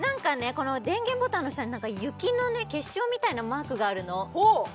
この電源ボタンの下に雪の結晶みたいなマークがあるのほう！